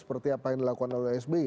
seperti apa yang dilakukan oleh sby